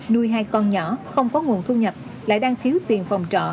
nuôi hai con nhỏ không có nguồn thu nhập lại đang thiếu tiền phòng trọ